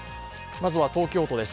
まずは東京都です。